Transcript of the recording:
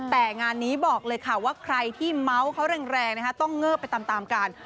แต่งานนี้บอกเลยค่ะว่าใครที่เมาส์เขาแรงต้องเงิบไปตามกัน